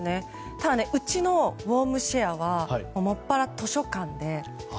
ただ、うちのウォームシェアはもっぱら図書館で。